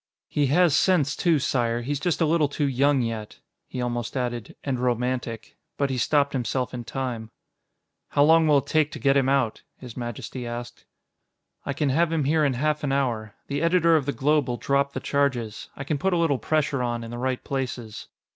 "He has sense, too, Sire; he's just a little too young yet." He almost added "and romantic," but he stopped himself in time. "How long will it take to get him out?" His Majesty asked. "I can have him here in half an hour. The editor of the Globe will drop the charges. I can put a little pressure on in the right places."